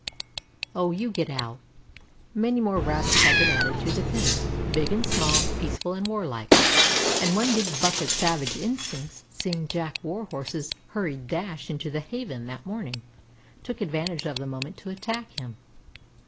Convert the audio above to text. "Oh, you get out." Many more Rabbits had been added to the pen, big and small, peaceful and warlike, and one big Buck of savage instincts, seeing Jack Warhorse's hurried dash into the Haven that morning, took advantage of the moment to attack him.